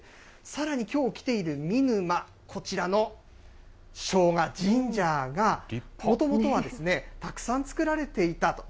さらに、きょう来ている見沼、こちらのしょうが、ジンジャーが、もともとはたくさん作られていたと。